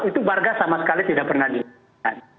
itu warga sama sekali tidak pernah dihubungkan